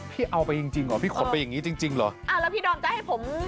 เอาไปจริงจริงเหรอพี่ขนไปอย่างงี้จริงจริงเหรออ่าแล้วพี่ดอมจะให้ผม